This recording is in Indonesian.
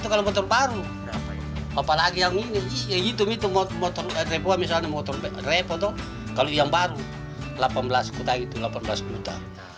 kalau motor baru apalagi yang ini itu motor repot kalau yang baru delapan belas kuta itu